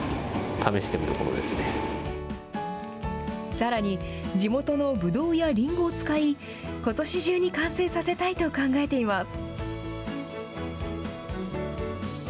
さらに、地元のぶどうやりんごを使い、ことし中に完成させたいと考えています。